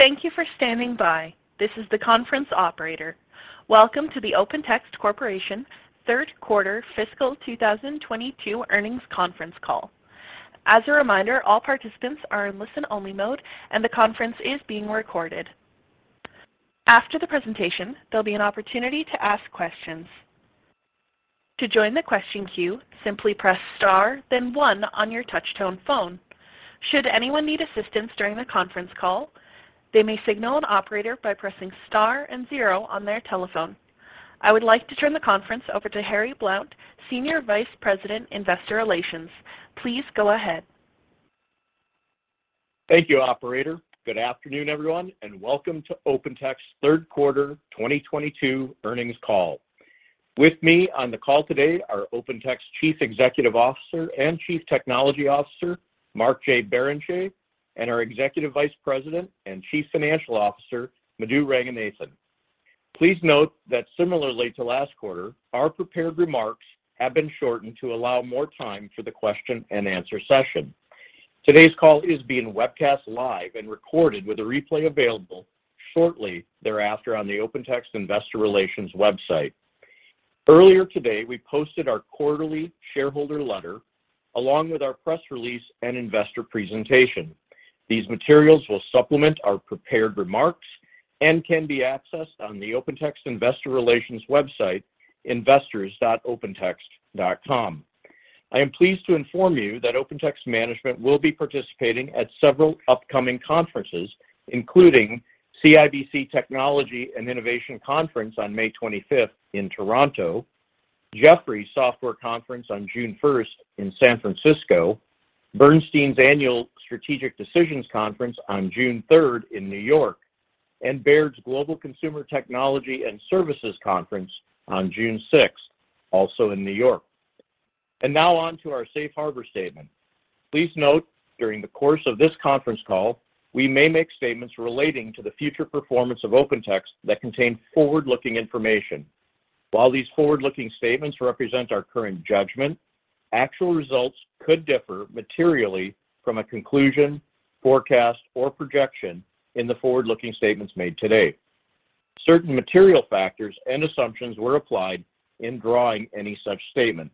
Thank you for standing by. This is the conference operator. Welcome to the OpenText Corporation third quarter fiscal 2022 earnings conference call. As a reminder, all participants are in listen only mode and the conference is being recorded. After the presentation, there'll be an opportunity to ask questions. To join the question queue, simply press Star, then one on your touch tone phone. Should anyone need assistance during the conference call, they may signal an operator by pressing Star and zero on their telephone. I would like to turn the conference over to Harry Blount, Senior Vice President, Investor Relations. Please go ahead. Thank you, operator. Good afternoon everyone, and welcome to OpenText third quarter 2022 earnings call. With me on the call today are OpenText Chief Executive Officer and Chief Technology Officer, Mark J. Barrenechea, and our Executive Vice President and Chief Financial Officer, Madhu Ranganathan. Please note that similarly to last quarter, our prepared remarks have been shortened to allow more time for the question and answer session. Today's call is being webcast live and recorded with a replay available shortly thereafter on the OpenText Investor Relations website. Earlier today, we posted our quarterly shareholder letter along with our press release and investor presentation. These materials will supplement our prepared remarks and can be accessed on the OpenText Investor Relations website, investors.opentext.com. I am pleased to inform you that OpenText management will be participating at several upcoming conferences, including CIBC Technology and Innovation Conference on May 25th in Toronto, Jefferies Software Conference on June 1st in San Francisco, Bernstein's Annual Strategic Decisions Conference on June 3rd in New York, and Baird's Global Consumer Technology and Services Conference on June 6th, also in New York. Now on to our safe harbor statement. Please note, during the course of this conference call, we may make statements relating to the future performance of OpenText that contain forward-looking information. While these forward-looking statements represent our current judgment, actual results could differ materially from a conclusion, forecast, or projection in the forward-looking statements made today. Certain material factors and assumptions were applied in drawing any such statement.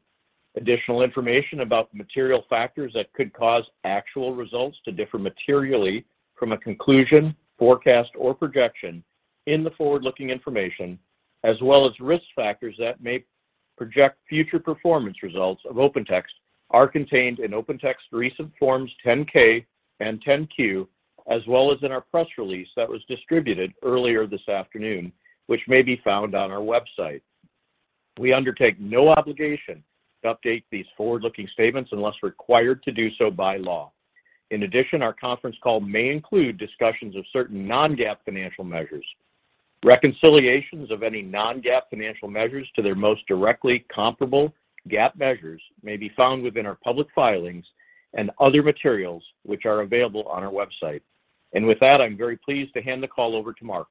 Additional information about the material factors that could cause actual results to differ materially from a conclusion, forecast, or projection in the forward-looking information, as well as risk factors that may project future performance results of OpenText are contained in OpenText's recent Forms 10-K and 10-Q, as well as in our press release that was distributed earlier this afternoon, which may be found on our website. We undertake no obligation to update these forward-looking statements unless required to do so by law. In addition, our conference call may include discussions of certain Non-GAAP financial measures. Reconciliations of any Non-GAAP financial measures to their most directly comparable GAAP measures may be found within our public filings and other materials which are available on our website. With that, I'm very pleased to hand the call over to Mark.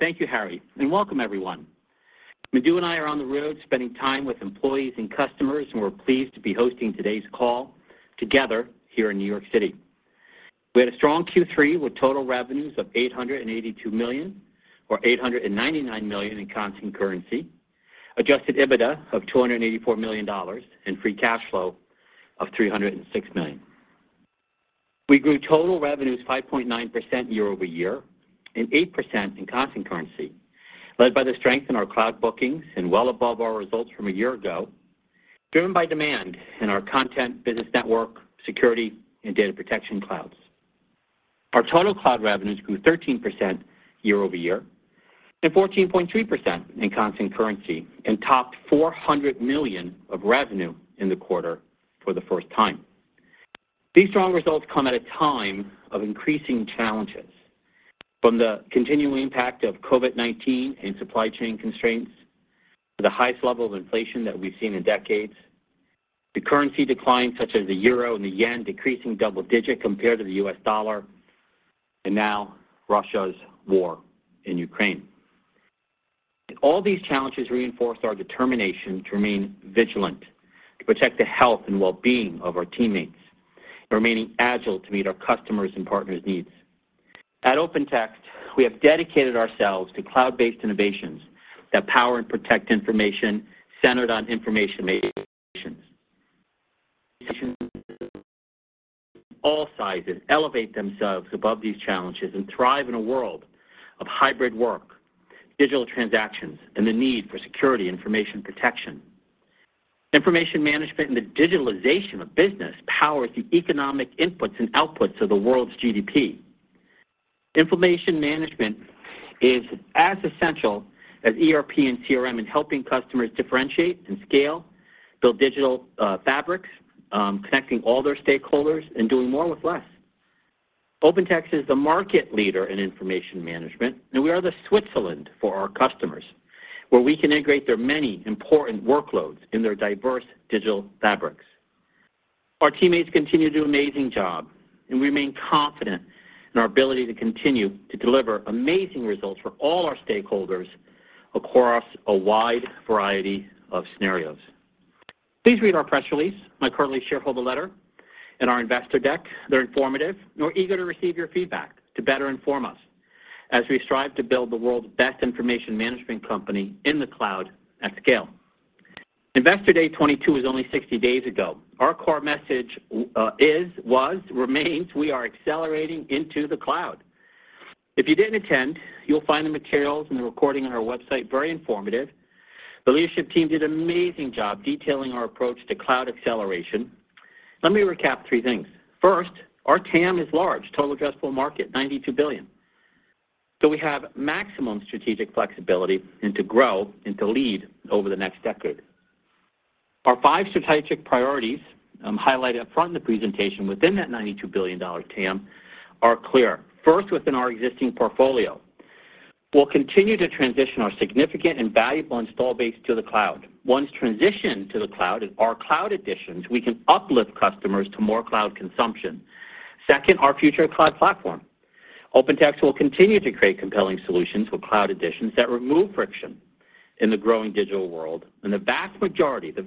Thank you, Harry, and welcome everyone. Madhu and I are on the road spending time with employees and customers, and we're pleased to be hosting today's call together here in New York City. We had a strong Q3 with total revenues of $882 million or $899 million in constant currency, Adjusted EBITDA of $284 million and free cash flow of $306 million. We grew total revenues 5.9% year-over-year and 8% in constant currency. Led by the strength in our cloud bookings and well above our results from a year ago, driven by demand in our Content, Business Network, Security and Data Protection Clouds. Our total cloud revenues grew 13% year-over-year and 14.3% in constant currency and topped $400 million in revenue in the quarter for the first time. These strong results come at a time of increasing challenges from the continuing impact of COVID-19 and supply chain constraints to the highest level of inflation that we've seen in decades. The currency decline, such as the euro and the yen decreasing double-digit compared to the U.S. Dollar, and now Russia's war in Ukraine. All these challenges reinforce our determination to remain vigilant, to protect the health and well-being of our teammates, and remaining agile to meet our customers and partners' needs. At OpenText, we have dedicated ourselves to cloud-based innovations that power and protect information centered on information. All sizes elevate themselves above these challenges and thrive in a world of hybrid work, digital transactions, and the need for security information protection. Information management and the digitalization of business powers the economic inputs and outputs of the world's GDP. Information management is as essential as ERP and CRM in helping customers differentiate and scale, build digital fabrics connecting all their stakeholders and doing more with less. OpenText is the market leader in information management, and we are the Switzerland for our customers, where we can integrate their many important workloads in their diverse digital fabrics. Our teammates continue to do an amazing job, and we remain confident in our ability to continue to deliver amazing results for all our stakeholders across a wide variety of scenarios. Please read our press release, my quarterly shareholder letter and our investor deck. They're informative and we're eager to receive your feedback to better inform us as we strive to build the world's best information management company in the cloud at scale. Investor Day 2022 was only 60 days ago. Our core message is, was, remains we are accelerating into the cloud. If you didn't attend, you'll find the materials and the recording on our website very informative. The leadership team did an amazing job detailing our approach to cloud acceleration. Let me recap three things. First, our TAM is large. Total addressable market, $92 billion. We have maximum strategic flexibility and to grow and to lead over the next decade. Our five strategic priorities, highlighted up front in the presentation within that $92 billion TAM are clear. First, within our existing portfolio, we'll continue to transition our significant and valuable install base to the cloud. Once transitioned to the cloud and our Cloud Editions, we can uplift customers to more cloud consumption. Second, our future cloud platform. OpenText will continue to create compelling solutions with Cloud Editions that remove friction in the growing digital world and the vast majority of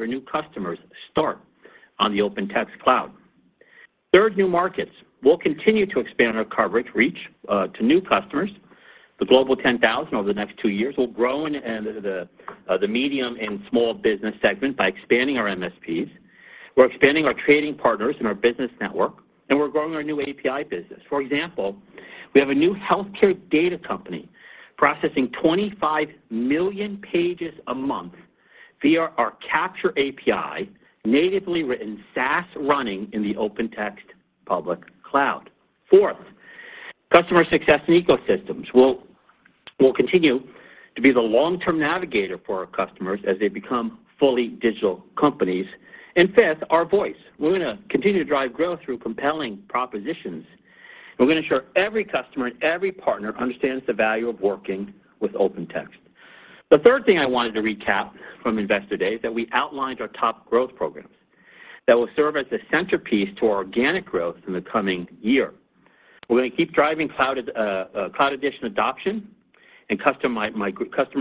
our new customers start on the OpenText cloud. Third, new markets. We'll continue to expand our coverage reach to new customers. The Global 10,000 over the next two years will grow in the medium and small business segment by expanding our MSPs. We're expanding our trading partners and our business network, and we're growing our new API business. For example, we have a new healthcare data company processing 25 million pages a month via our capture API, natively written SaaS running in the OpenText public cloud. Fourth, customer success and ecosystems. We'll continue to be the long term navigator for our customers as they become fully digital companies. Fifth, our voice. We're going to continue to drive growth through compelling propositions. We're going to ensure every customer and every partner understands the value of working with OpenText. The third thing I wanted to recap from Investor Day is that we outlined our top growth programs that will serve as the centerpiece to our organic growth in the coming year. We're going to keep driving Cloud Edition adoption and customer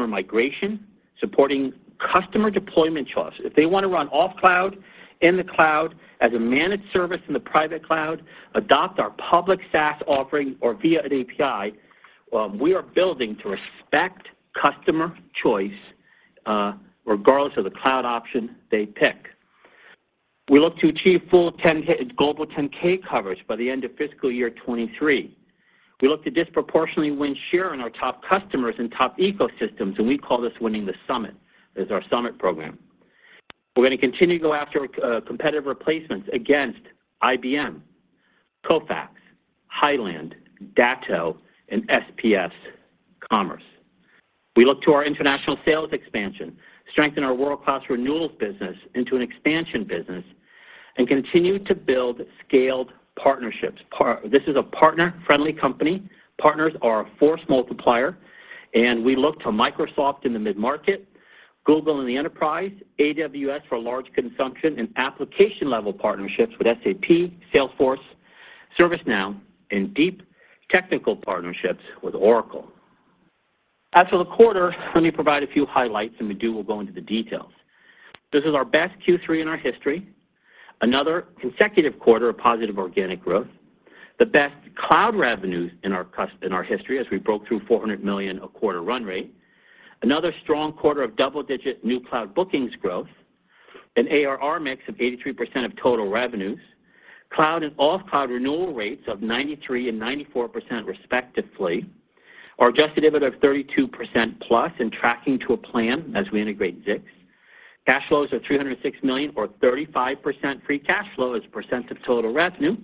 migration, supporting customer deployment choice. If they want to run off cloud, in the cloud, as a managed service in the private cloud, adopt our public SaaS offering or via an API, well, we are building to respect customer choice, regardless of the cloud option they pick. We look to achieve full 10x Global 10K coverage by the end of fiscal year 2023. We look to disproportionately win share in our top customers and top ecosystems and we call this winning the summit. It is our summit program. We're going to continue to go after competitive replacements against IBM, Kofax, Hyland, Datto and SPS Commerce. We look to our international sales expansion, strengthen our world class renewals business into an expansion business and continue to build scaled partnerships. This is a partner friendly company. Partners are a force multiplier and we look to Microsoft in the mid-market, Google in the enterprise, AWS for large consumption and application level partnerships with SAP, Salesforce, ServiceNow, and deep technical partnerships with Oracle. As for the quarter, let me provide a few highlights and Madhu will go into the details. This is our best Q3 in our history. Another consecutive quarter of positive organic growth. The best cloud revenues in our history as we broke through $400 million a quarter run rate. Another strong quarter of double-digit new cloud bookings growth. An ARR mix of 83% of total revenues. Cloud and off cloud renewal rates of 93% and 94% respectively. Our adjusted EBITDA of 32%+ and tracking to a plan as we integrate Zix. Cash flows of $306 million or 35% free cash flow as a percent of total revenue.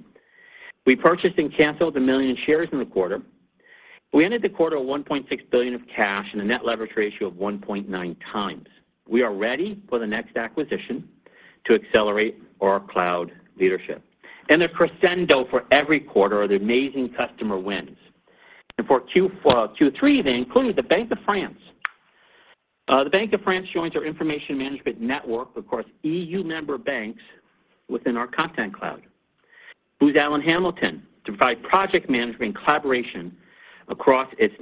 We purchased and canceled 1 million shares in the quarter. We ended the quarter with $1.6 billion of cash and a net leverage ratio of 1.9x. We are ready for the next acquisition to accelerate our cloud leadership. The crescendo for every quarter are the amazing customer wins. For Q3, they include the Banque de France. The Banque de France joins our information management network across EU member banks within our Content Cloud. Booz Allen Hamilton to provide project management and collaboration across its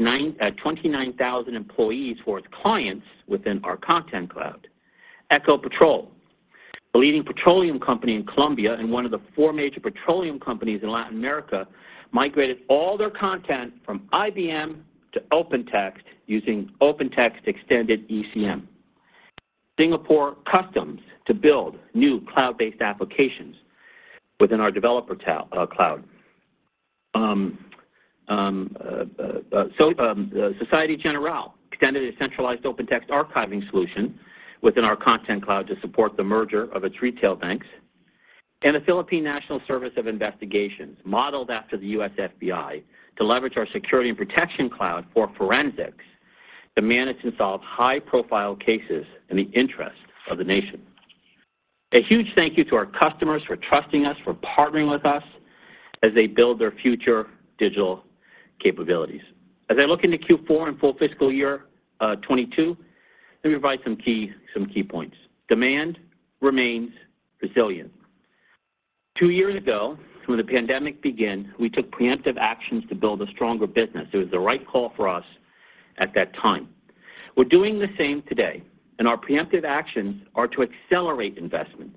29,000 employees for its clients within our Content Cloud. Ecopetrol, a leading petroleum company in Colombia and one of the four major petroleum companies in Latin America, migrated all their content from IBM to OpenText using OpenText Extended ECM. Singapore Customs to build new cloud-based applications within our Developer Cloud. Société Générale extended a centralized OpenText archiving solution within our Content Cloud to support the merger of its retail banks. The National Bureau of Investigation, modeled after the U.S. FBI to leverage our Security & Protection Cloud for forensics to manage and solve high-profile cases in the interest of the nation. A huge thank you to our customers for trusting us, for partnering with us as they build their future digital capabilities. As I look into Q4 and full fiscal year 2022, let me provide some key points. Demand remains resilient. Two years ago, when the pandemic began, we took preemptive actions to build a stronger business. It was the right call for us at that time. We're doing the same today, and our preemptive actions are to accelerate investments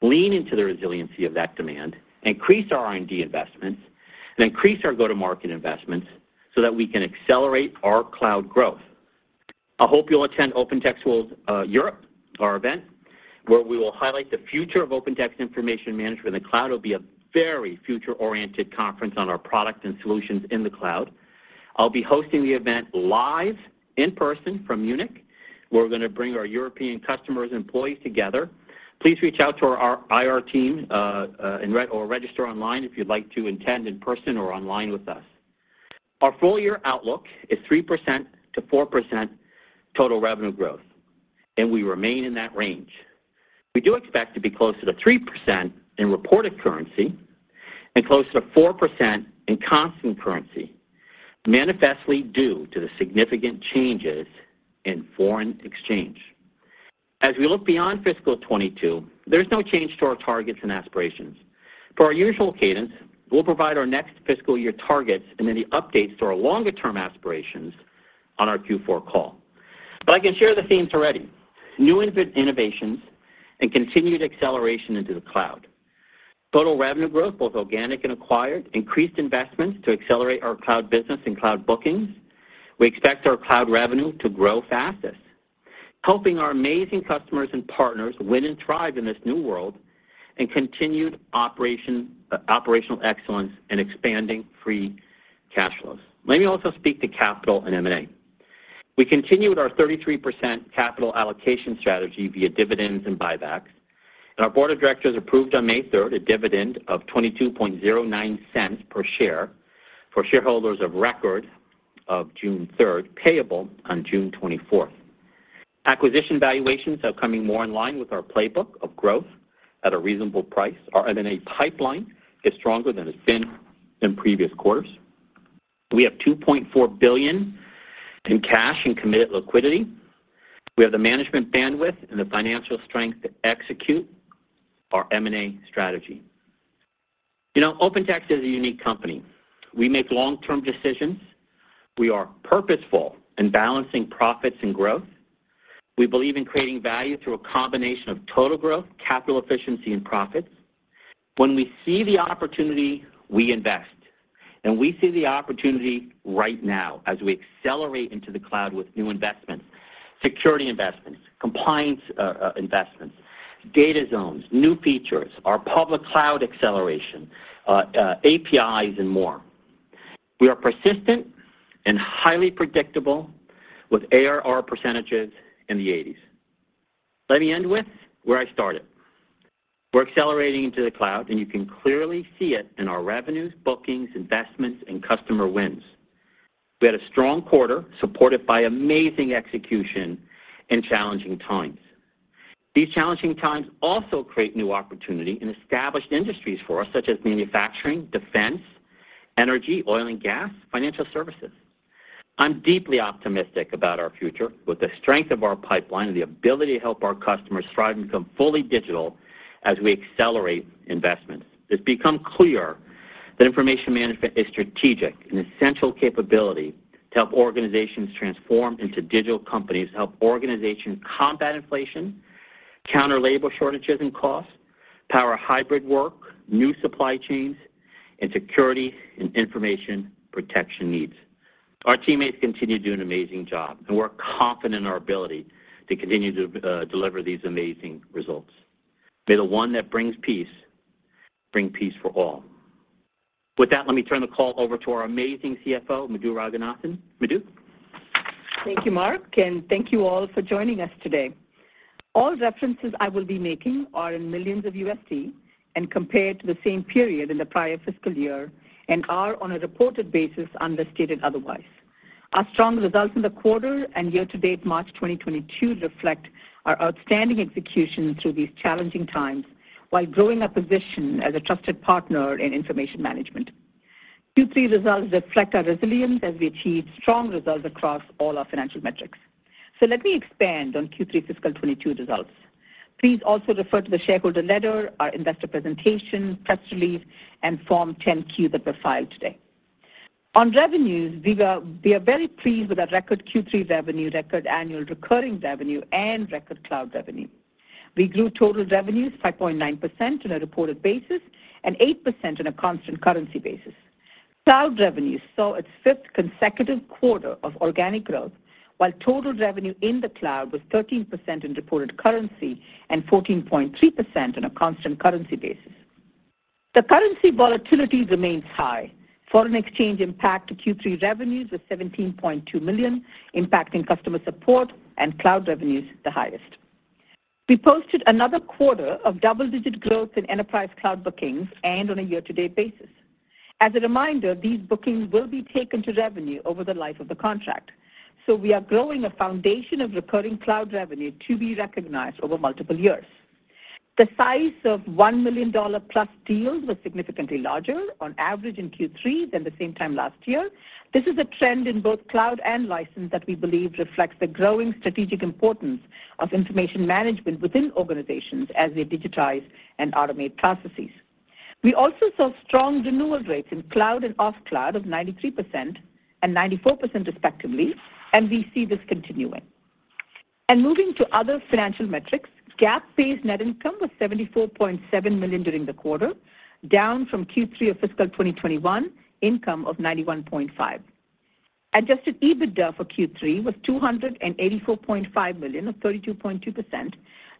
lean into the resiliency of that demand, increase our R&D investments, and increase our go-to-market investments so that we can accelerate our cloud growth. I hope you'll attend OpenText World Europe, our event, where we will highlight the future of OpenText information management, and the cloud will be a very future-oriented conference on our products and solutions in the cloud. I'll be hosting the event live in person from Munich, where we're gonna bring our European customers and employees together. Please reach out to our IR team, or register online if you'd like to attend in person or online with us. Our full year outlook is 3%-4% total revenue growth, and we remain in that range. We do expect to be closer to 3% in reported currency and closer to 4% in constant currency, manifestly due to the significant changes in foreign exchange. As we look beyond fiscal 2022, there is no change to our targets and aspirations. Per our usual cadence, we'll provide our next fiscal year targets and any updates to our longer term aspirations on our Q4 call. I can share the themes already. New innovations and continued acceleration into the cloud. Total revenue growth, both organic and acquired, increased investments to accelerate our cloud business and cloud bookings. We expect our cloud revenue to grow fastest, helping our amazing customers and partners win and thrive in this new world and continued operational excellence and expanding free cash flows. Let me also speak to capital and M&A. We continue with our 33% capital allocation strategy via dividends and buybacks, and our board of directors approved on May 3rd a dividend of $0.2209 per share for shareholders of record of June 3rd, payable on June 24th. Acquisition valuations are coming more in line with our playbook of growth at a reasonable price. Our M&A pipeline is stronger than it's been in previous quarters. We have $2.4 billion in cash and committed liquidity. We have the management bandwidth and the financial strength to execute our M&A strategy. You know, OpenText is a unique company. We make long-term decisions. We are purposeful in balancing profits and growth. We believe in creating value through a combination of total growth, capital efficiency, and profits. When we see the opportunity, we invest, and we see the opportunity right now as we accelerate into the cloud with new investments, security investments, compliance, investments, data zones, new features, our public cloud acceleration, APIs, and more. We are persistent and highly predictable with ARR percentages in the 80s. Let me end with where I started. We're accelerating into the cloud, and you can clearly see it in our revenues, bookings, investments, and customer wins. We had a strong quarter supported by amazing execution in challenging times. These challenging times also create new opportunity in established industries for us, such as manufacturing, defense, energy, oil and gas, financial services. I'm deeply optimistic about our future with the strength of our pipeline and the ability to help our customers thrive and become fully digital as we accelerate investments. It's become clear that information management is strategic, an essential capability to help organizations transform into digital companies, to help organizations combat inflation, counter labor shortages and costs, power hybrid work, new supply chains, and security and information protection needs. Our teammates continue to do an amazing job, and we're confident in our ability to continue to deliver these amazing results. May the one that brings peace bring peace for all. With that, let me turn the call over to our amazing CFO, Madhu Ranganathan. Madhu? Thank you, Mark, and thank you all for joining us today. All references I will be making are in millions of USD and compared to the same period in the prior fiscal year and are on a reported basis unless stated otherwise. Our strong results in the quarter and year-to-date March 2022 reflect our outstanding execution through these challenging times while growing our position as a trusted partner in information management. Q3 results reflect our resilience as we achieved strong results across all our financial metrics. Let me expand on Q3 fiscal 2022 results. Please also refer to the shareholder letter, our investor presentation, press release, and Form 10-Q that were filed today. On revenues, we are very pleased with our record Q3 revenue, record annual recurring revenue, and record cloud revenue. We grew total revenues 5.9% on a reported basis and 8% on a constant currency basis. Cloud revenues saw its fifth consecutive quarter of organic growth, while total revenue in the cloud was 13% in reported currency and 14.3% on a constant currency basis. The currency volatility remains high. Foreign exchange impact to Q3 revenues was $17.2 million, impacting customer support and cloud revenues the highest. We posted another quarter of double-digit growth in enterprise cloud bookings and on a year-to-date basis. As a reminder, these bookings will be taken to revenue over the life of the contract, so we are growing a foundation of recurring cloud revenue to be recognized over multiple years. The size of $1 million+ deals was significantly larger on average in Q3 than the same time last year. This is a trend in both cloud and license that we believe reflects the growing strategic importance of information management within organizations as they digitize and automate processes. We also saw strong renewal rates in cloud and off cloud of 93% and 94% respectively, and we see this continuing. Moving to other financial metrics, GAAP-based net income was $74.7 million during the quarter, down from Q3 of fiscal 2021 income of $91.5. Adjusted EBITDA for Q3 was $284.5 million or 32.2%,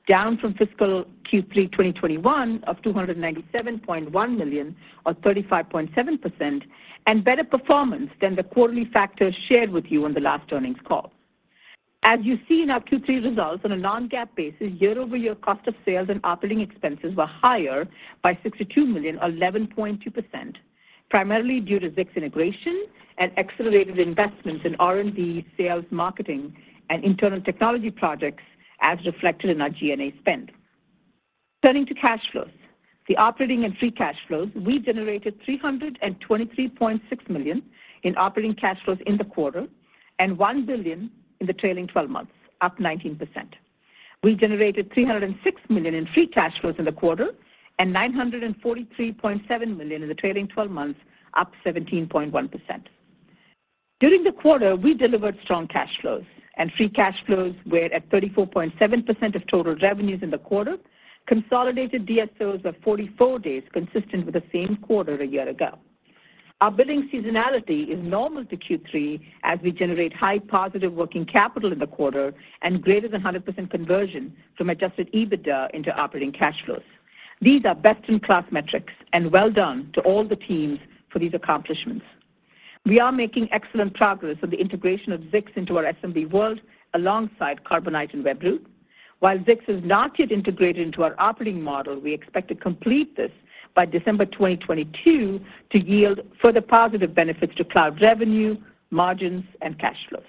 down from fiscal Q3 2021 of $297.1 million or 35.7% and better performance than the quarterly factors shared with you on the last earnings call. As you see in our Q3 results, on a Non-GAAP basis, year-over-year cost of sales and operating expenses were higher by $62 million or 11.2%, primarily due to Zix integration and accelerated investments in R&D, sales, marketing and internal technology projects as reflected in our G&A spend. Turning to cash flows. The operating and free cash flows, we generated $323.6 million in operating cash flows in the quarter and $1 billion in the trailing twelve months, up 19%. We generated $306 million in free cash flows in the quarter and $943.7 million in the trailing twelve months, up 17.1%. During the quarter, we delivered strong cash flows, and free cash flows were at 34.7% of total revenues in the quarter. Consolidated DSOs of 44 days, consistent with the same quarter a year ago. Our billing seasonality is normal to Q3 as we generate high positive working capital in the quarter and greater than 100% conversion from Adjusted EBITDA into operating cash flows. These are best-in-class metrics and well done to all the teams for these accomplishments. We are making excellent progress on the integration of Zix into our SMB world alongside Carbonite and Webroot. While Zix is not yet integrated into our operating model, we expect to complete this by December 2022 to yield further positive benefits to cloud revenue, margins and cash flows.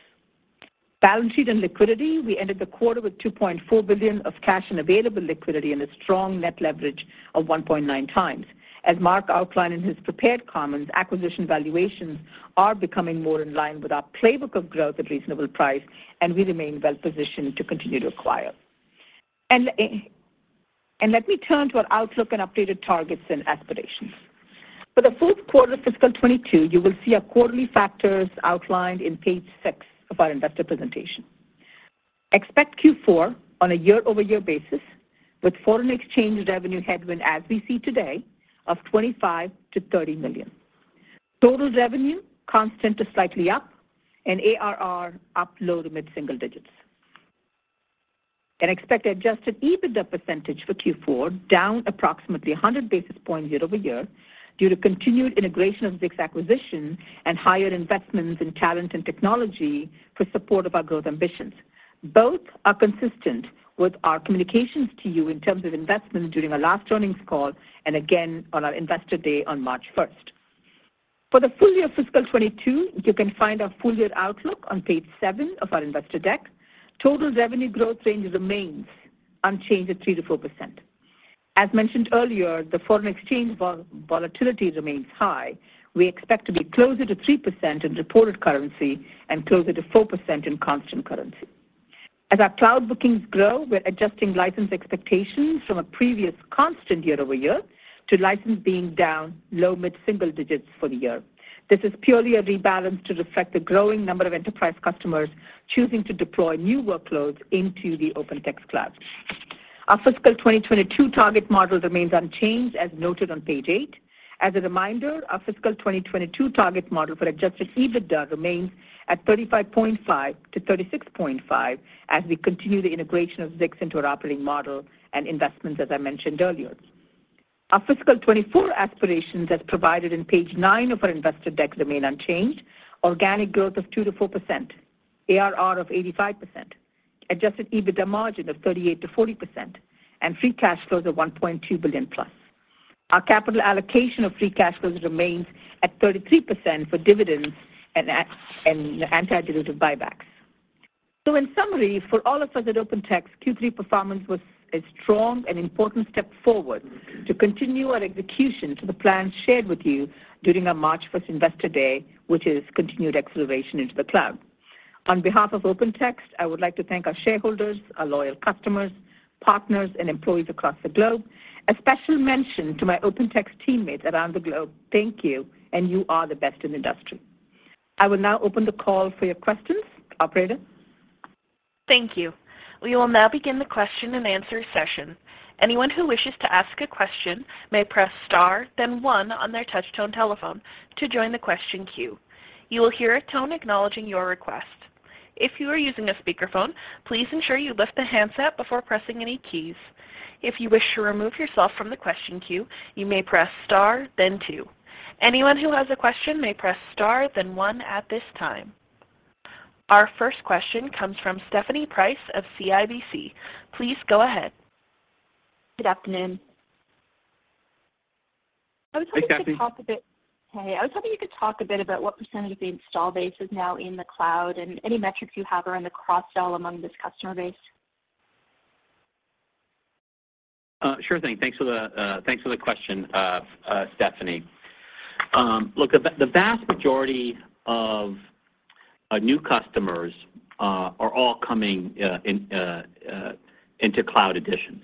Balance sheet and liquidity. We ended the quarter with $2.4 billion of cash and available liquidity and a strong net leverage of 1.9x. As Mark outlined in his prepared comments, acquisition valuations are becoming more in line with our playbook of growth at reasonable price, and we remain well positioned to continue to acquire. Let me turn to our outlook and updated targets and aspirations. For the fourth quarter fiscal 2022, you will see our quarterly factors outlined in page six of our investor presentation. Expect Q4 on a year-over-year basis with foreign exchange revenue headwind as we see today of $25 million-$30 million. Total revenue constant to slightly up and ARR up low- to mid-single digits. Expect adjusted EBITDA percentage for Q4 down approximately 100 basis points year-over-year due to continued integration of Zix acquisition and higher investments in talent and technology for support of our growth ambitions. Both are consistent with our communications to you in terms of investments during our last earnings call and again on our Investor Day on March 1st. For the full year fiscal 2022, you can find our full-year outlook on page seven of our investor deck. Total revenue growth range remains unchanged at 3%-4%. As mentioned earlier, the foreign exchange volatility remains high. We expect to be closer to 3% in reported currency and closer to 4% in constant currency. As our cloud bookings grow, we're adjusting license expectations from a previous constant year-over-year to license being down low mid-single digits for the year. This is purely a rebalance to reflect the growing number of enterprise customers choosing to deploy new workloads into the OpenText Cloud. Our fiscal 2022 target model remains unchanged as noted on page eight. As a reminder, our fiscal 2022 target model for Adjusted EBITDA remains at 35.5-36.5 as we continue the integration of Zix into our operating model and investments, as I mentioned earlier. Our fiscal 2024 aspirations as provided in page nine of our investor deck remain unchanged. Organic growth of 2%-4%, ARR of 85%, Adjusted EBITDA margin of 38%-40%, and free cash flows of $1.2 billion+. Our capital allocation of free cash flows remains at 33% for dividends and anti-dilutive buybacks. In summary, for all of us at OpenText, Q3 performance was a strong and important step forward to continue our execution to the plan shared with you during our March first Investor Day, which is continued acceleration into the cloud. On behalf of OpenText, I would like to thank our shareholders, our loyal customers, partners and employees across the globe. A special mention to my OpenText teammates around the globe. Thank you, and you are the best in industry. I will now open the call for your questions. Operator? Thank you. We will now begin the question and answer session. Anyone who wishes to ask a question may press star then one on their touch tone telephone to join the question queue. You will hear a tone acknowledging your request. If you are using a speakerphone, please ensure you lift the handset before pressing any keys. If you wish to remove yourself from the question queue, you may press star then two. Anyone who has a question may press star then one at this time. Our first question comes from Stephanie Price of CIBC. Please go ahead. Good afternoon. Hey, Stephanie. I was hoping you could talk a bit about what percentage of the install base is now in the cloud, and any metrics you have around the cross-sell among this customer base. Sure thing. Thanks for the question, Stephanie. Look, the vast majority of new customers are all coming into Cloud Editions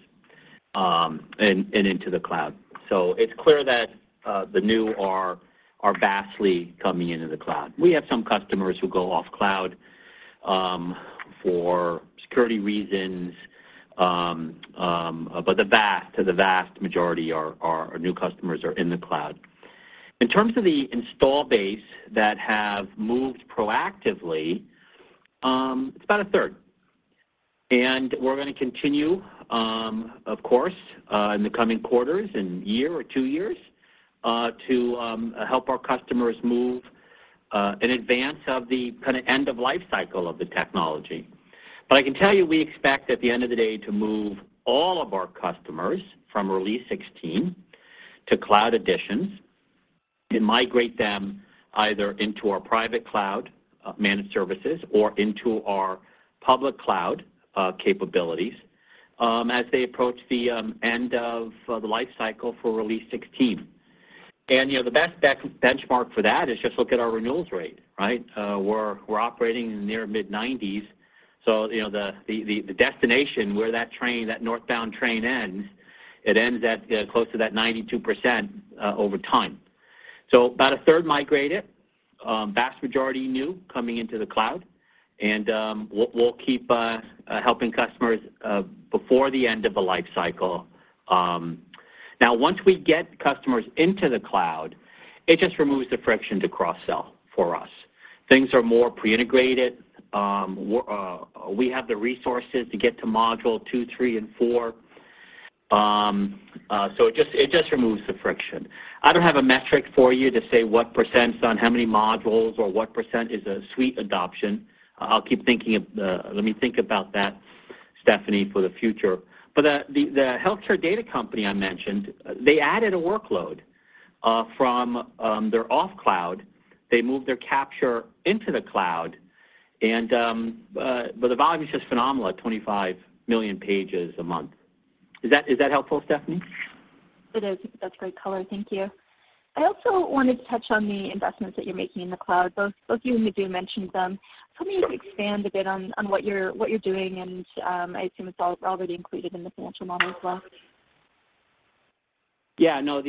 and into the cloud. It's clear that the new are vastly coming into the cloud. We have some customers who go off cloud for security reasons, but the vast majority of new customers are in the cloud. In terms of the installed base that have moved proactively, it's about a third. We're gonna continue, of course, in the coming quarters and year or two years, to help our customers move in advance of the kinda end of life cycle of the technology. I can tell you, we expect at the end of the day to move all of our customers from Release 16 to Cloud Editions and migrate them either into our private cloud, managed services or into our public cloud, capabilities, as they approach the end of the life cycle for Release 16. You know, the best benchmark for that is just look at our renewals rate, right? We're operating in the near mid-90s. You know, the destination where that train, that northbound train ends, it ends at close to that 92% over time. About a third migrated, vast majority new coming into the cloud, and we'll keep helping customers before the end of a life cycle. Now once we get customers into the cloud, it just removes the friction to cross-sell for us. Things are more pre-integrated. We have the resources to get to module 2, module 3, and module 4. It just removes the friction. I don't have a metric for you to say what percent on how many modules or what percent is a suite adoption. I'll keep thinking. Let me think about that, Stephanie, for the future. The healthcare data company I mentioned, they added a workload from their off cloud. They moved their capture into the cloud but the volume is just phenomenal, at 25 million pages a month. Is that helpful, Stephanie? It is. That's great color. Thank you. I also wanted to touch on the investments that you're making in the cloud. Both you and Madhu mentioned them. Can you expand a bit on what you're doing? I assume it's all already included in the financial model as well. Yeah, no.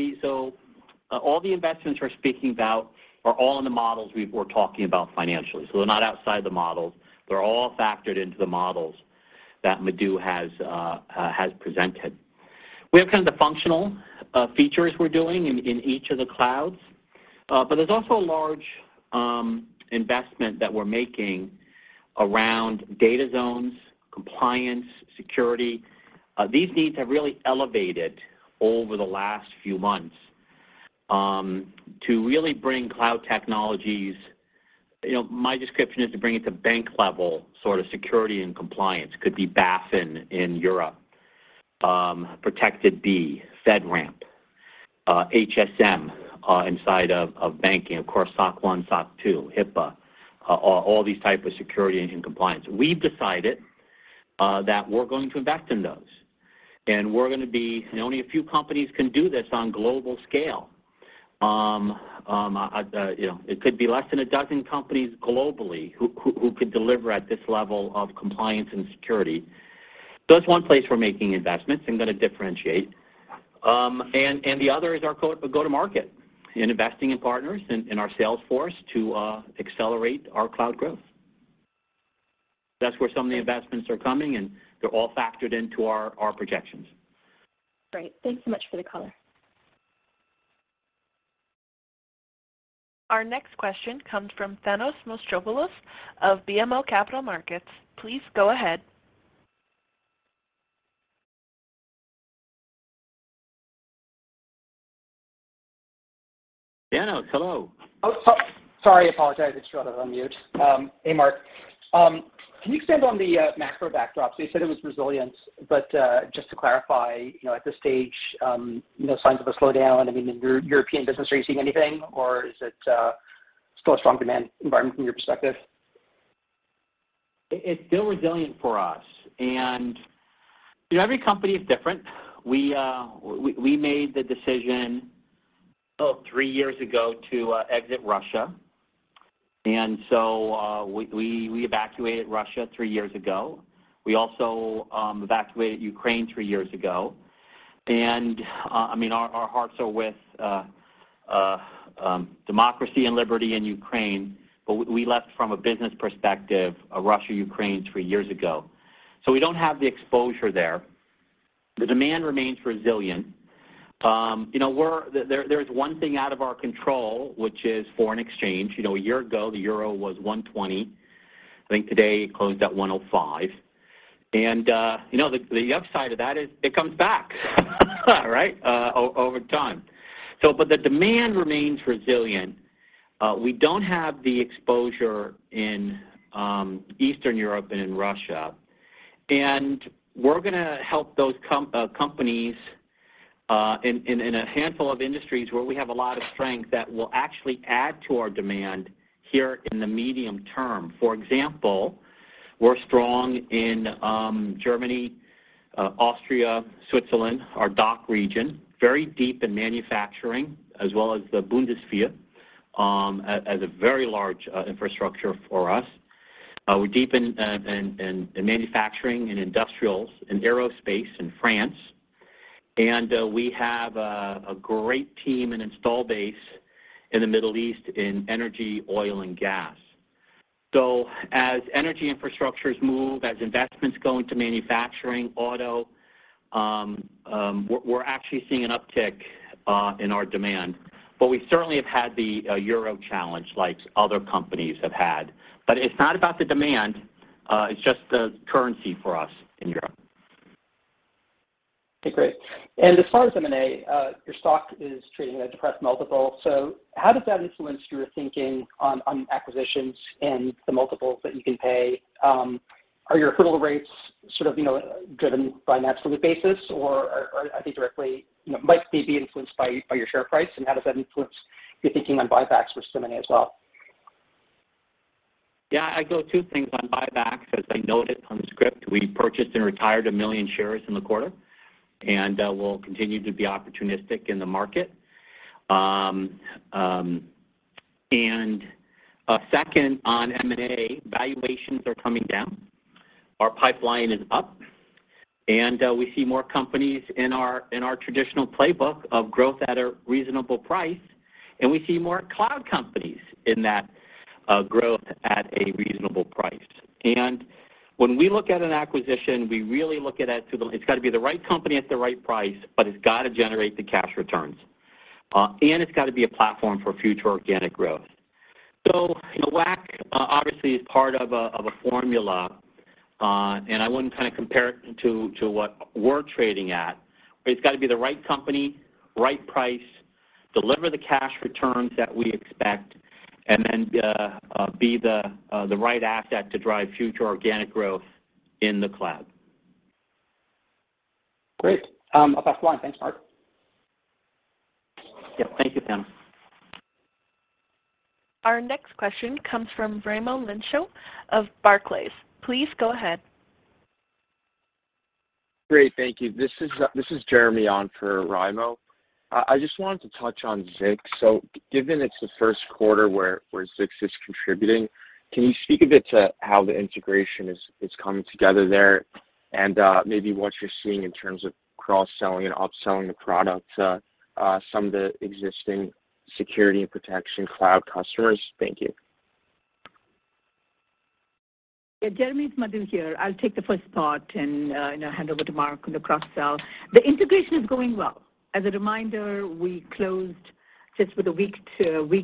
All the investments we're speaking about are all in the models we're talking about financially. They're not outside the models. They're all factored into the models that Madhu has presented. We have kind of the functional features we're doing in each of the clouds. But there's also a large investment that we're making around data zones, compliance, security. These needs have really elevated over the last few months to really bring cloud technologies. You know, my description is to bring it to bank-level sort of security and compliance. Could be BaFin in Europe, Protected B, FedRAMP, HSM, inside of banking, of course, SOC 1, SOC 2, HIPAA, all these type of security and compliance. We've decided that we're going to invest in those, and we're gonna be. Only a few companies can do this on global scale. You know, it could be less than a dozen companies globally who could deliver at this level of compliance and security. That's one place we're making investments and gonna differentiate. And the other is our go-to-market in investing in partners and in our sales force to accelerate our cloud growth. That's where some of the investments are coming, and they're all factored into our projections. Great. Thanks so much for the color. Our next question comes from Thanos Moschopoulos of BMO Capital Markets. Please go ahead. Thanos, hello. I apologize. Just forgot to unmute. Hey, Mark. Can you expand on the macro backdrop? You said it was resilient, but just to clarify, you know, at this stage, you know, signs of a slowdown, I mean, in your European business, are you seeing anything or is it still a strong demand environment from your perspective? It's still resilient for us, and every company is different. We made the decision about three years ago to exit Russia. We evacuated Russia three years ago. We also evacuated Ukraine three years ago. I mean, our hearts are with democracy and liberty in Ukraine, but we left from a business perspective, Russia, Ukraine three years ago. We don't have the exposure there. The demand remains resilient. There is one thing out of our control, which is foreign exchange. A year ago, the euro was 1.20. I think today it closed at 1.05. The upside of that is it comes back right over time. But the demand remains resilient. We don't have the exposure in Eastern Europe and in Russia. We're gonna help those companies in a handful of industries where we have a lot of strength that will actually add to our demand here in the medium term. For example, we're strong in Germany, Austria, Switzerland, our DACH region, very deep in manufacturing, as well as the Bundeswehr, as a very large infrastructure for us. We're deep in manufacturing and industrials and aerospace in France. We have a great team and installed base in the Middle East in energy, oil and gas. As energy infrastructures move, as investments go into manufacturing, auto, we're actually seeing an uptick in our demand. We certainly have had the euro challenge like other companies have had. It's not about the demand, it's just the currency for us in Europe. Okay, great. As far as M&A, your stock is trading at a depressed multiple. How does that influence your thinking on acquisitions and the multiples that you can pay? Are your acquisition rates sort of, you know, driven by an absolute basis or are I think directly, you know, might be influenced by your share price, and how does that influence your thinking on buybacks for the company as well? Yeah, I got two things on buybacks. As I noted on the script, we purchased and retired 1 million shares in the quarter, and we'll continue to be opportunistic in the market. Second, on M&A, valuations are coming down. Our pipeline is up, and we see more companies in our traditional playbook of growth at a reasonable price, and we see more cloud companies in that growth at a reasonable price. When we look at an acquisition, we really look at it. It's got to be the right company at the right price, but it's got to generate the cash returns. It's got to be a platform for future organic growth. The WACC obviously is part of a formula, and I wouldn't kind of compare it to what we're trading at. It's got to be the right company, right price, deliver the cash returns that we expect, and then be the right asset to drive future organic growth in the cloud. Great. I'll pass the line. Thanks, Mark. Yep, thank you, Tim. Our next question comes from Raimo Lenschow of Barclays. Please go ahead. Great. Thank you. This is Jeremy on for Raimo. I just wanted to touch on Zix. Given it's the first quarter where Zix is contributing, can you speak a bit to how the integration is coming together there and maybe what you're seeing in terms of cross-selling and upselling the product to some of the existing Security & Protection Cloud customers? Thank you. Yeah, Jeremy, it's Madhu here. I'll take the first part and, you know, hand over to Mark on the cross-sell. The integration is going well. As a reminder, we closed just with a week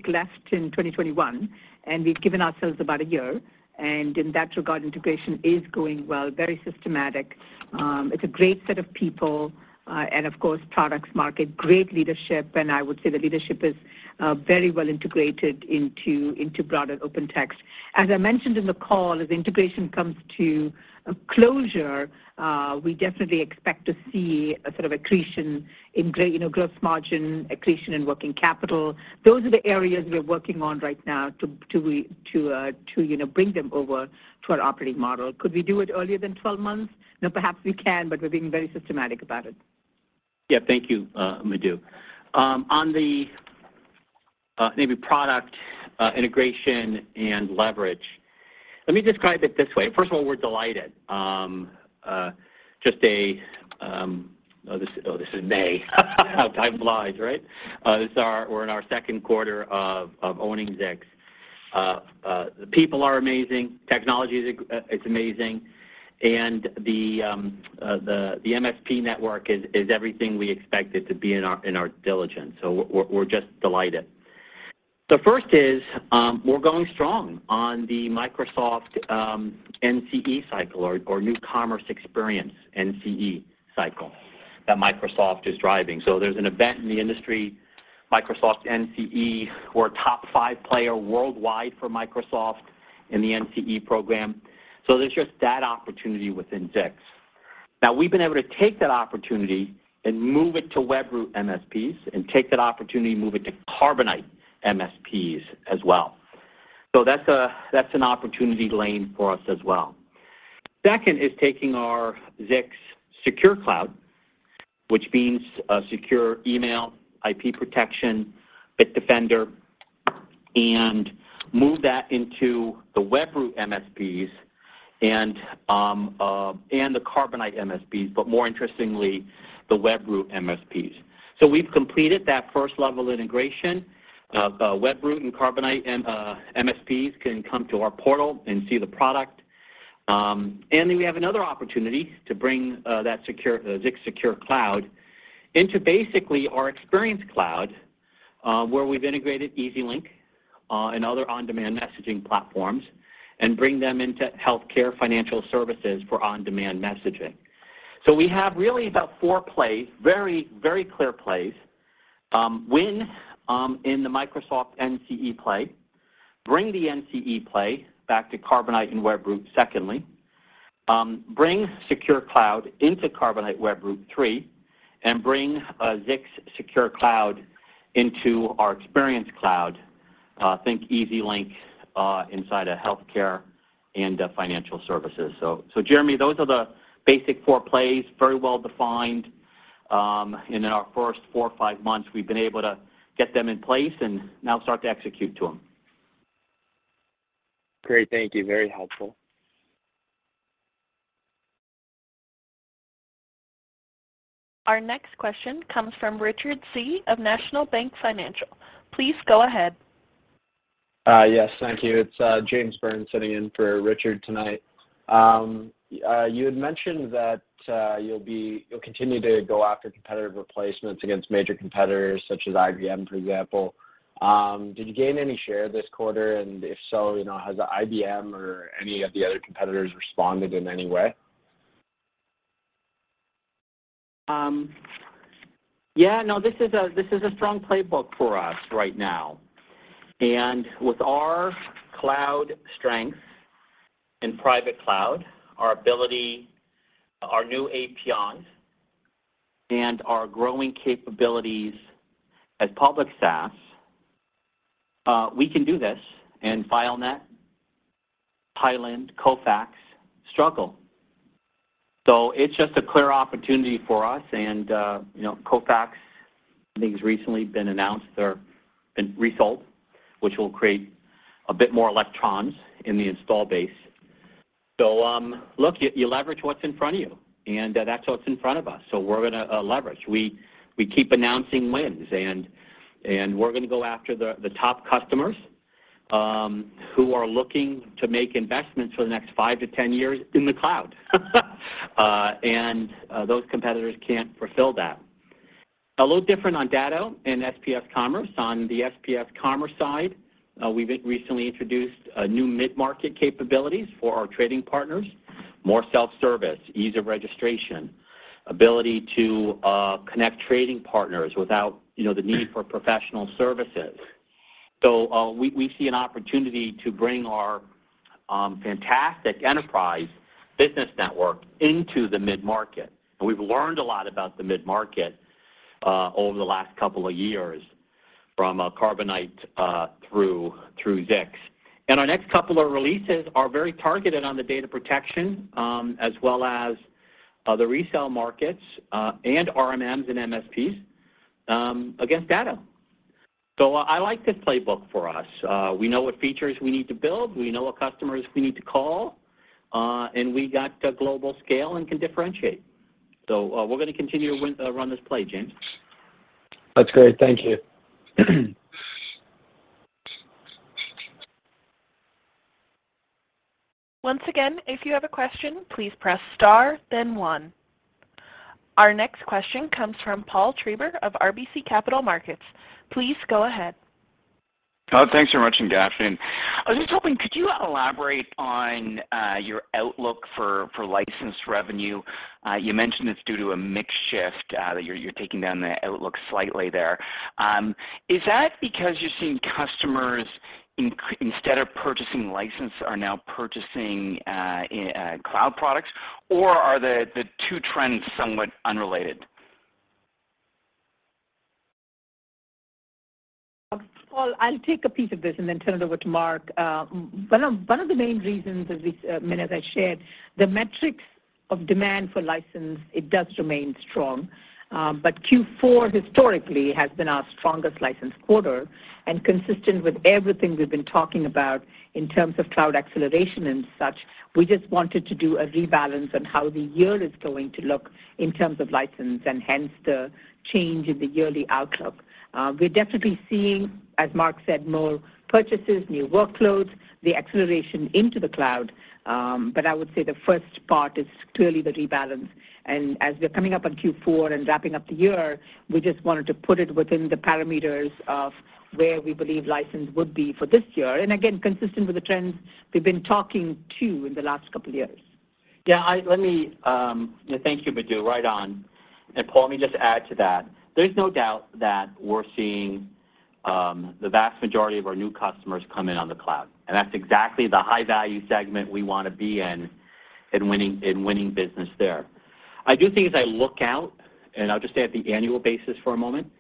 left in 2021, and we've given ourselves about a year. In that regard, integration is going well, very systematic. It's a great set of people, and of course, products market, great leadership. I would say the leadership is very well integrated into broader OpenText. As I mentioned in the call, as integration comes to a closure, we definitely expect to see a sort of accretion in great, you know, gross margin accretion and working capital. Those are the areas we are working on right now to, you know, bring them over to our operating model. Could we do it earlier than 12 months? You know, perhaps we can, but we're being very systematic about it. Yeah. Thank you, Madhu. On the maybe product integration and leverage, let me describe it this way. First of all, we're delighted. Just a... Oh, this is May. How time flies, right? We're in our second quarter of owning Zix. The people are amazing. Technology is amazing. The MSP network is everything we expected to be in our diligence. We're just delighted. The first is we're going strong on the Microsoft NCE cycle or new commerce experience, NCE cycle that Microsoft is driving. There's an event in the industry, Microsoft NCE. We're a top five player worldwide for Microsoft in the NCE program. There's just that opportunity within Zix. We've been able to take that opportunity and move it to Webroot MSPs and take that opportunity and move it to Carbonite MSPs as well. That's an opportunity lane for us as well. Second is taking our Zix Secure Cloud, which means a secure email, IP protection, Bitdefender, and move that into the Webroot MSPs and the Carbonite MSPs, but more interestingly, the Webroot MSPs. We've completed that first level integration of Webroot and Carbonite, and MSPs can come to our portal and see the product. Then we have another opportunity to bring that secure Zix Secure Cloud into basically our Experience Cloud, where we've integrated EasyLink and other on-demand messaging platforms and bring them into healthcare financial services for on-demand messaging. We have really about four plays, very, very clear plays. In the Microsoft NCE play. Bring the NCE play back to Carbonite and Webroot secondly. Bring Security & Protection Cloud into Carbonite and Webroot, three, and bring Zix Secure Cloud into our Experience Cloud, think EasyLink inside of healthcare and financial services. Jeremy, those are the basic four plays, very well defined, and in our first four or five months, we've been able to get them in place and now start to execute to them. Great. Thank you. Very helpful. Our next question comes from Richard Tse of National Bank Financial. Please go ahead. Yes, thank you. It's James Burns sitting in for Richard tonight. You had mentioned that you'll continue to go after competitive replacements against major competitors such as IBM, for example. Did you gain any share this quarter? And if so, you know, has IBM or any of the other competitors responded in any way? This is a strong playbook for us right now. With our cloud strength in private cloud, our ability, our new APIs, and our growing capabilities in public SaaS, we can do this, and FileNet, Hyland, Kofax struggle. It's just a clear opportunity for us and, you know, Kofax, I think it's recently been announced they're rebranded, which will create a bit more friction in the install base. Look, you leverage what's in front of you, and that's what's in front of us. We're gonna leverage. We keep announcing wins, and we're gonna go after the top customers who are looking to make investments for the next five to 10 years in the cloud. Those competitors can't fulfill that. A little different on Datto and SPS Commerce. On the SPS Commerce side, we've recently introduced new mid-market capabilities for our trading partners, more self-service, ease of registration, ability to connect trading partners without, you know, the need for professional services. We see an opportunity to bring our fantastic enterprise business network into the mid-market. We've learned a lot about the mid-market over the last couple of years from Carbonite through Zix. Our next couple of releases are very targeted on the data protection as well as the resale markets and RMMs and MSPs against Datto. I like this playbook for us. We know what features we need to build. We know what customers we need to call and we got the global scale and can differentiate. We're gonna continue to win, run this play, James. That's great. Thank you. Once again, if you have a question, please press star then one. Our next question comes from Paul Treiber of RBC Capital Markets. Please go ahead. Thanks so much, Daphne. I was just hoping, could you elaborate on your outlook for licensed revenue? You mentioned it's due to a mix shift that you're taking down the outlook slightly there. Is that because you're seeing customers instead of purchasing license are now purchasing cloud products or are the two trends somewhat unrelated? Paul, I'll take a piece of this and then turn it over to Mark. One of the main reasons, as I mentioned, as I shared, the metrics of demand for license, it does remain strong. Q4 historically has been our strongest license quarter, and consistent with everything we've been talking about in terms of cloud acceleration and such, we just wanted to do a rebalance on how the year is going to look in terms of license and hence the change in the yearly outlook. We're definitely seeing, as Mark said, more purchases, new workloads, the acceleration into the cloud. I would say the first part is clearly the rebalance. As we're coming up on Q4 and wrapping up the year, we just wanted to put it within the parameters of where we believe license would be for this year, and again, consistent with the trends we've been talking to in the last couple of years. Thank you, Madhu. Right on. Paul, let me just add to that. There's no doubt that we're seeing the vast majority of our new customers come in on the cloud, and that's exactly the high-value segment we wanna be in winning business there. I do think as I look out, and I'll just stay at the annual basis for a moment.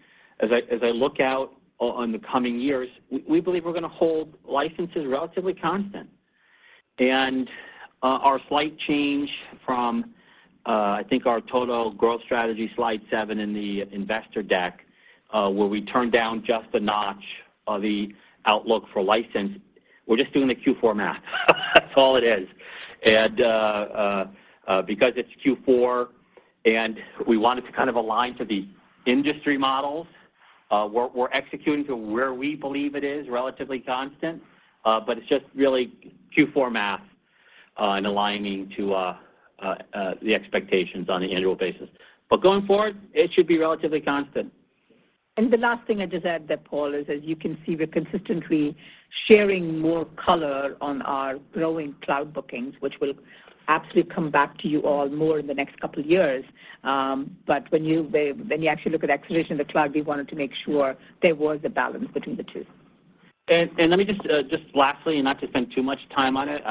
As I look out on the coming years, we believe we're gonna hold licenses relatively constant. Our slight change from, I think our total growth strategy, slide 7 in the investor deck, where we turned down just a notch of the outlook for license, we're just doing the Q4 math. That's all it is. Because it's Q4 and we wanted to kind of align to the industry models, we're executing to where we believe it is relatively constant, but it's just really Q4 math, and aligning to the expectations on the annual basis. Going forward, it should be relatively constant. The last thing I'd just add there, Paul, is as you can see, we're consistently sharing more color on our growing cloud bookings, which will absolutely come back to you all more in the next couple of years. But when you actually look at acceleration of the cloud, we wanted to make sure there was a balance between the two. Let me just lastly, not to spend too much time on it,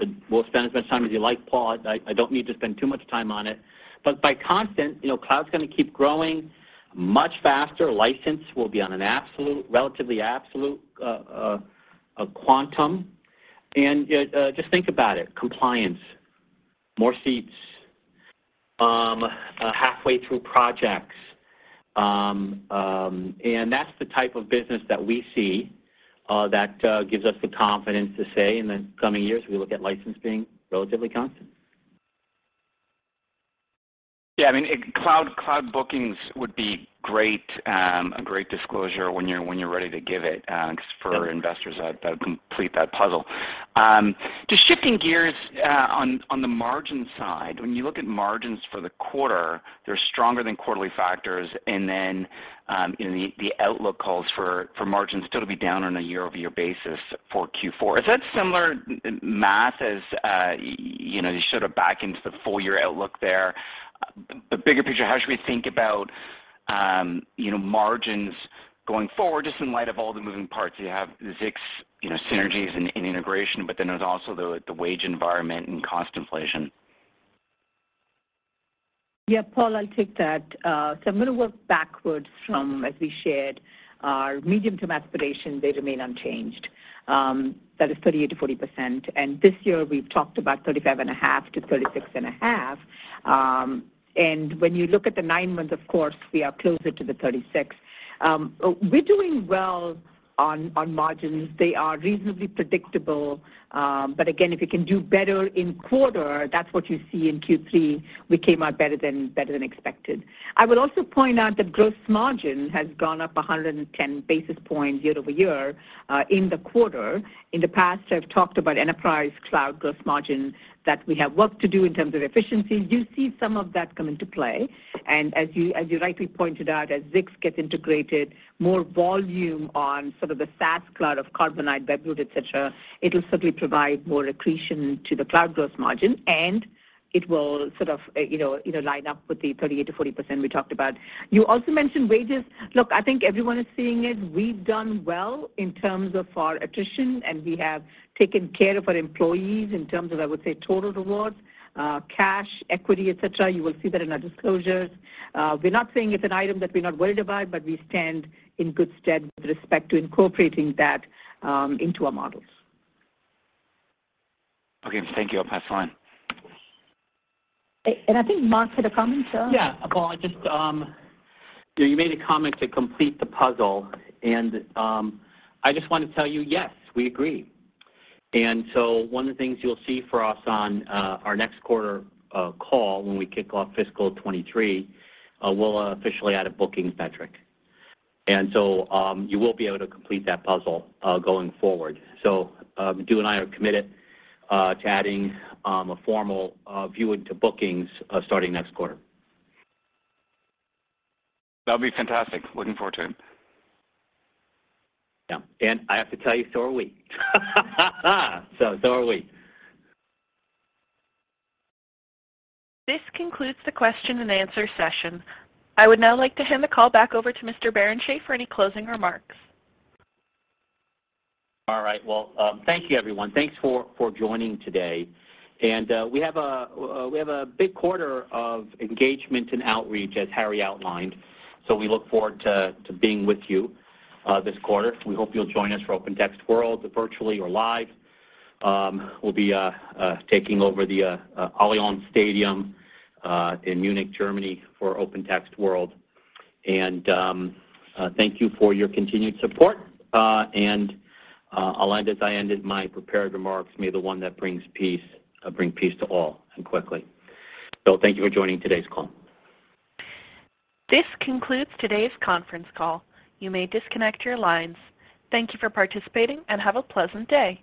and we'll spend as much time as you like, Paul. I don't mean to spend too much time on it, but by contrast, you know, cloud's gonna keep growing much faster. License will be on an absolute, relatively constant. Just think about it, compliance, more seats, halfway through projects. That's the type of business that we see that gives us the confidence to say in the coming years we look at license being relatively constant. Yeah. I mean, cloud bookings would be great, a great disclosure when you're ready to give it, 'cause for investors that complete that puzzle. Just shifting gears, on the margin side. When you look at margins for the quarter, they're stronger than quarterly factors. You know, the outlook calls for margins still to be down on a year-over-year basis for Q4. Is that similar math as, you know, you sort of back into the full-year outlook there? The bigger picture, how should we think about, you know, margins going forward, just in light of all the moving parts? You have Zix, you know, synergies and integration, but then there's also the wage environment and cost inflation. Yeah, Paul, I'll take that. I'm gonna work backwards from, as we shared our medium-term aspirations, they remain unchanged. That is 38%-40%. This year we've talked about 35.5%-36.5%. When you look at the nine months, of course we are closer to the 36. We're doing well on margins. They are reasonably predictable. Again, if you can do better in quarter, that's what you see in Q3. We came out better than expected. I would also point out that gross margin has gone up 110 basis points year-over-year in the quarter. In the past I've talked about enterprise cloud gross margin, that we have work to do in terms of efficiencies. You see some of that come into play. As you rightly pointed out, as Zix gets integrated, more volume on sort of the SaaS cloud of Carbonite, Webroot, et cetera, it'll certainly provide more accretion to the cloud gross margin, and it will sort of line up with the 38%-40% we talked about. You also mentioned wages. Look, I think everyone is seeing it. We've done well in terms of our attrition, and we have taken care of our employees in terms of, I would say, total rewards, cash, equity, et cetera. You will see that in our disclosures. We are not saying it's an item that we're not worried about, but we stand in good stead with respect to incorporating that into our models. Okay. Thank you. I'll pass the line. I think Mark had a comment, sir. Yeah. Paul, I just you know, you made a comment to complete the puzzle, and I just wanna tell you, yes, we agree. One of the things you'll see for us on our next quarter call when we kick off fiscal 2023, we'll officially add a bookings metric. You will be able to complete that puzzle going forward. Dhu and I are committed to adding a formal view into bookings starting next quarter. That'll be fantastic. Looking forward to it. Yeah. I have to tell you, so are we. Are we. This concludes the question and answer session. I would now like to hand the call back over to Mr. Barrenechea for any closing remarks. All right. Well, thank you everyone. Thanks for joining today. We have a big quarter of engagement and outreach as Harry outlined, so we look forward to being with you this quarter. We hope you'll join us for OpenText World, virtually or live. We'll be taking over the Allianz Arena in Munich, Germany for OpenText World. Thank you for your continued support. I'll end as I ended my prepared remarks. May the one that brings peace bring peace to all, and quickly. Thank you for joining today's call. This concludes today's conference call. You may disconnect your lines. Thank you for participating and have a pleasant day.